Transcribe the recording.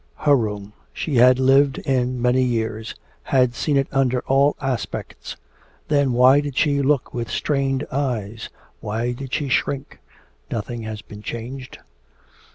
Her room! she had lived in many years, had seen it under all aspects; then why did she look with strained eyes? Why did she shrink? Nothing has been changed.